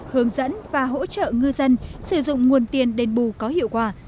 hướng dẫn và hỗ trợ ngư dân sử dụng nguồn tiền đền bù có hiệu quả